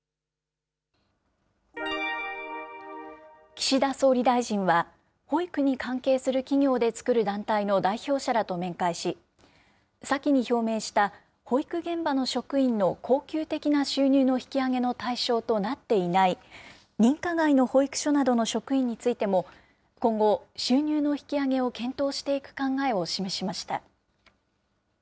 岸田総理大臣は、保育に関係する企業で作る団体の代表者らと面会し、先に表明した、保育現場の職員の恒久的な収入の引き上げの対象となっていない、認可外の保育所などの職員についても、今後、収入の引き上げを検討していく考えを示しました。